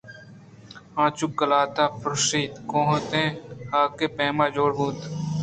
آ چوقلات ءَ پرٛشت ءُکوٛتیں حاکے ءِ پیماجوڑ بوت